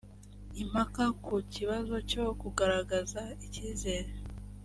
impaka ku kibazo cyo kugaragaza icyizere